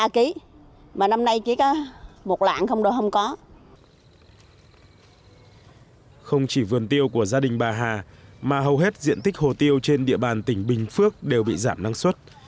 không chỉ vườn tiêu của gia đình bà hà mà hầu hết diện tích hồ tiêu trên địa bàn tỉnh bình phước đều bị giảm năng suất